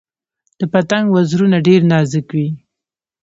د پتنګ وزرونه ډیر نازک وي